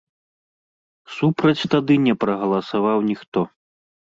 Супраць тады не прагаласаваў ніхто.